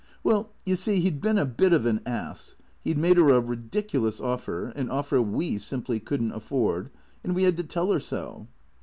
" Well, you see, he 'd been a bit of an ass. He 'd made her a ridiculous offer, an offer we simply could n't afford, and we had to tell her so."